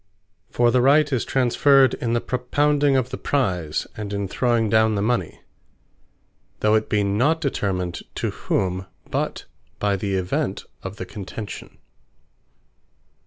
For the Right is transferred in the Propounding of the Prize, and in throwing down the mony; though it be not determined to whom, but by the Event of the contention.